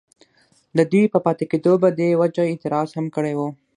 ددوي پۀ پاتې کيدو پۀ دې وجه اعتراض هم کړی وو،